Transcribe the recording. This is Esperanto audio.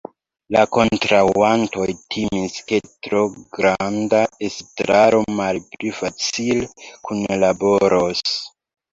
La kontraŭantoj timis ke tro granda estraro malpli facile kunlaboros.